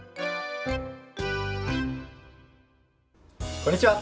こんにちは。